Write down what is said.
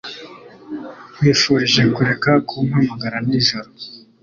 Nkwifurije kureka kumpamagara nijoro.